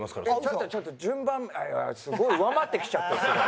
ちょっとちょっと順番すごい上回ってきちゃった。